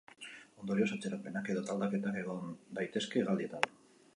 Ondorioz, atzerapenak edota aldaketak egon daitezke hegaldietan.